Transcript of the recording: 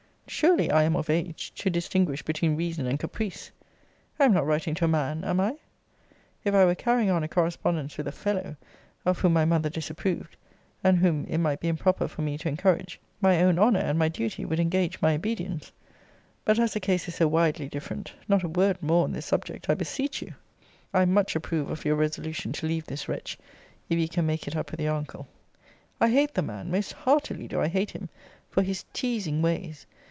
Surely I am of age to distinguish between reason and caprice. I am not writing to a man, am I? If I were carrying on a correspondence with a fellow, of whom my mother disapproved, and whom it might be improper for me to encourage, my own honour and my duty would engage my obedience. But as the case is so widely different, not a word more on this subject, I beseech you! * Clarissa proposes Mr. Hickman to write for Miss Howe. See Letter XI. of this volume, Paragr. 5, & ult. I much approve of your resolution to leave this wretch, if you can make it up with your uncle. I hate the man most heartily do I hate him, for his teasing ways.